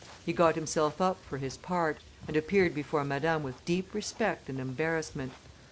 He got himself up for his part, and appeared before Madame with deep respect and embarassment.